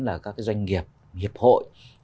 là các doanh nghiệp hiệp hội